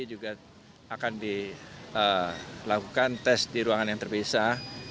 juga akan dilakukan tes di ruangan yang terpisah